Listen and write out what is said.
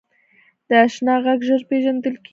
د اشنا غږ ژر پیژندل کېږي